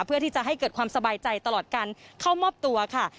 เพื่อที่จะให้เกิดความสบายใจตลอดการเข้ามอบตัวค่ะ